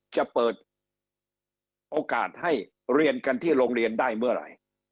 จะเปิดโอกาสให้เรียนกันที่โรงเรียนได้เมื่อไหร่